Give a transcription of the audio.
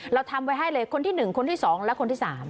เราทำไว้ให้เลยคนที่๑คนที่๒และคนที่๓